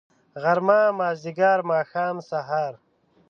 غرمه . مازدیګر . ماښام .. سهار